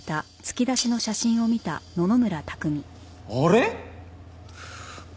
あれ？